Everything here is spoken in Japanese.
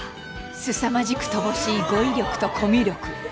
すさまじく乏しい語彙力とコミュ力